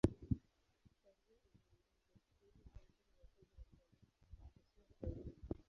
Kuanzia umri mdogo, Davis alikuwa mwanafunzi wa sanaa, haswa kaimu.